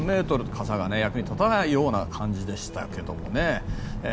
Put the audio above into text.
傘が役に立たないような感じでしたけどね。